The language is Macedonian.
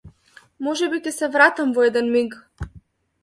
Можеби ќе се вратам во еден миг.